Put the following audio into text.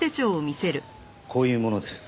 こういう者です。